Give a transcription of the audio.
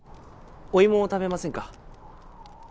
お芋を食べませんか？